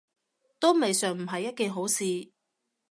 都未嘗唔係一件好事